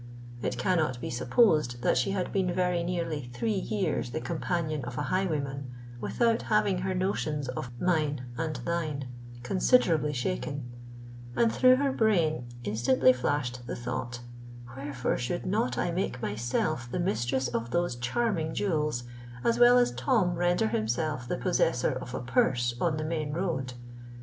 It cannot be supposed that she had been very nearly three years the companion of a highwayman without having her notions of mine and thine considerably shaken; and through her brain instantly flashed the thought——"Wherefore should not I make myself the mistress of those charming jewels, as well as Tom render himself the possessor of a purse on the main road?"